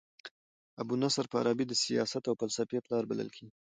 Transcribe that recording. ابو نصر فارابي د سیاست او فلسفې پلار بلل کيږي.